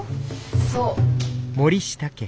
そう。